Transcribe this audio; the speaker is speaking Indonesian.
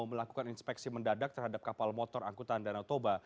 melakukan inspeksi mendadak terhadap kapal motor angkutan dan otoba